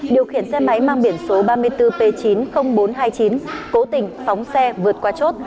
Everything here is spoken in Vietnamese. điều khiển xe máy mang biển số ba mươi bốn p chín mươi nghìn bốn trăm hai mươi chín cố tình phóng xe vượt qua chốt